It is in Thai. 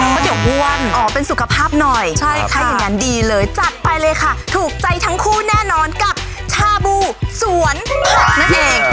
ใช่ค่ะถ้าอย่างนั้นดีเลยจัดไปเลยค่ะถูกใจทั้งคู่แน่นอนกับชาบูสวนผักนั่นเอง